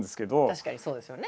確かにそうですよね。